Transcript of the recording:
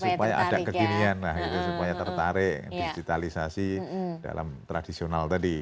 supaya ada kekinian lah gitu supaya tertarik digitalisasi dalam tradisional tadi